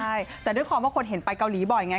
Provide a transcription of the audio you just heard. ใช่แต่ด้วยความว่าคนเห็นไปเกาหลีบ่อยไง